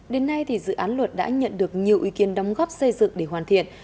đến nay thì dự án luật đã nhận được nhiều ý kiến đóng góp xây dựng để hoàn thiện